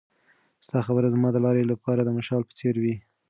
ستا خبرې زما د لارې لپاره د مشال په څېر وې.